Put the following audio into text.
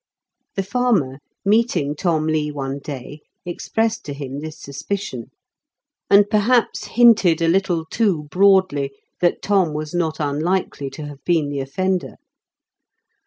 The farmer, meeting Tom Lee one day, expressed to him this suspicion, and perhaps hinted a little too broadly that Tom 0IP8Y 8TEVEN8. 39 was not unlikely to have been the offender.